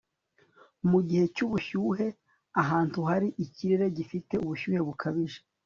mu bihe by'ubushyuhe, ahantu hari ikirere gifite ubushyuhe bukabije